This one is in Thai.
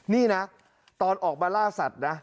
นี่นะตอนออกมาล่าสัตว์นะ